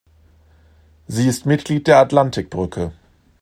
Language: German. Sie ist Mitglied der "Atlantikbrücke".